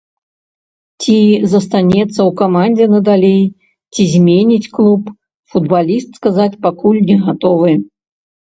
Ці застанецца ў камандзе надалей, ці зменіць клуб, футбаліст сказаць пакуль не гатовы.